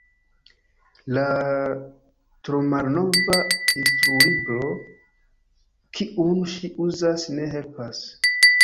La tromalnova instrulibro, kiun ŝi uzas, ne helpas.